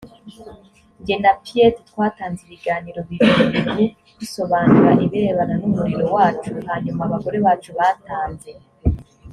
njye na piet twatanze ibiganiro bibiri bigu dusobanura ibirebana n umurimo wacu hanyuma abagore bacu batanze